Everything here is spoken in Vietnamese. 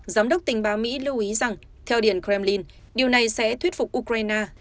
giám đốc tình báo mỹ lưu ý rằng theo điện kremlin điều này sẽ thuyết phục ukraine